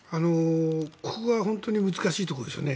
ここが本当に難しいところですよね。